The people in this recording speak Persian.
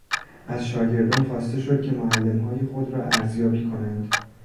از شاگردان خواسته شد که معلمهای خود را ارزیابی کنند.